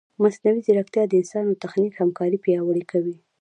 مصنوعي ځیرکتیا د انسان او تخنیک همکاري پیاوړې کوي.